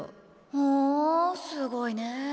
ふんすごいねぇ。